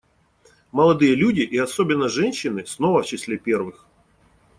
Молодые люди — и особенно женщины — снова в числе первых.